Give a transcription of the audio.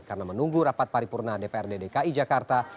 karena menunggu rapat paripurna dprd dki jakarta